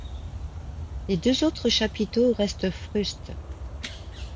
Les deux autres chapiteaux restent frustes.